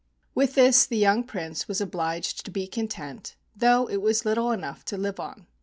With this the young Prince was obliged to be content, though it was little enough to live on.